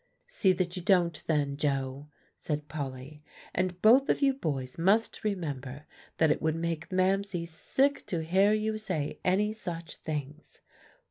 "See that you don't then, Joe," said Polly; "and both of you boys must remember that it would make Mamsie sick to hear you say any such things.